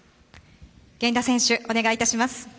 源田選手、お願いいたします。